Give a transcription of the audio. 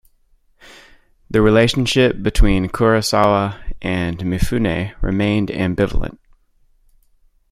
The relationship between Kurosawa and Mifune remained ambivalent.